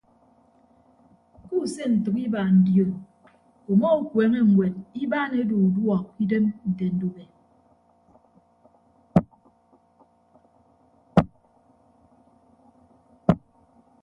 Kuuse ntәk ibaan dion uma ukueene ñwed ibaan edu uduọ ke idem nte ndube.